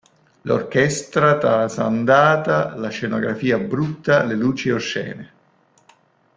L'orchestra trasandata, la scenografia brutta, le luci oscene.